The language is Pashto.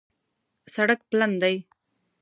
سړک پلن دی